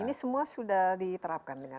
ini semua sudah diterapkan dengan